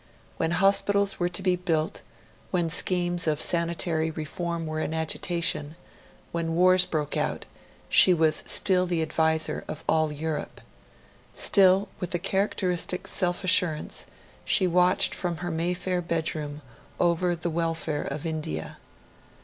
When hospitals were to be built, when schemes of sanitary reform were in agitation, when wars broke out, she was still the adviser of all Europe. Still, with a characteristic self assurance, she watched from her Mayfair bedroom over the welfare of India.